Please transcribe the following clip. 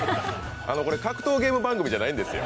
これ、格闘ゲーム番組じゃないんですよ。